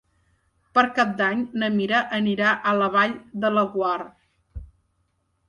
Per Cap d'Any na Mira anirà a la Vall de Laguar.